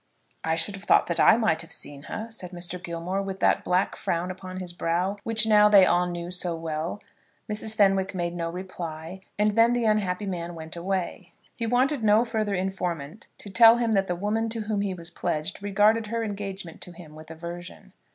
"I should have thought that I might have seen her," said Mr. Gilmore, with that black frown upon his brow which now they all knew so well. Mrs. Fenwick made no reply, and then the unhappy man went away. He wanted no further informant to tell him that the woman to whom he was pledged regarded her engagement to him with aversion.